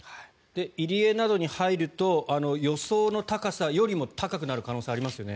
入り江などに入ると予想の高さよりも高くなる可能性ありますよね。